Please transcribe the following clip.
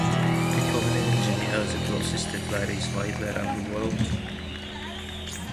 Becoming an engineer is a process that varies widely around the world.